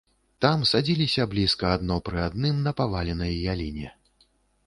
Там садзіліся блізка адно пры адным на паваленай яліне.